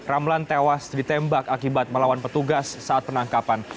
ramlan tewas ditembak akibat melawan petugas saat penangkapan